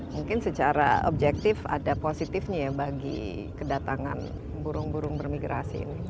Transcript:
mungkin secara objektif ada positifnya ya bagi kedatangan burung burung bermigrasi ini